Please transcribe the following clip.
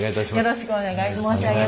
よろしくお願い申し上げます。